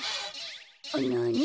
なに？